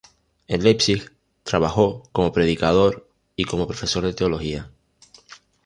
En Leipzig trabajó como predicador y como profesor de Teología.